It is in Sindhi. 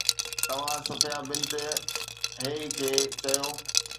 توهان صفيه بنت حي کي چيو